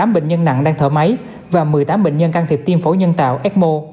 hai bảy trăm năm mươi tám bệnh nhân nặng đang thở máy và một mươi tám bệnh nhân can thiệp tiêm phổ nhân tạo ecmo